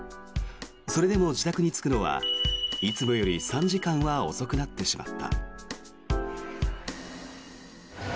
それでも自宅に着くのはいつもより３時間は遅くなってしまった。